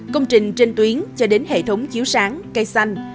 công trình trên tuyến cho đến hệ thống chiếu sáng cây xanh